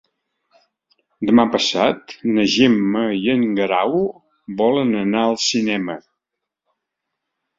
Demà passat na Gemma i en Guerau volen anar al cinema.